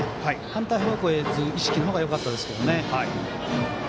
反対方向へ打つ意識の方がよかったですけどね。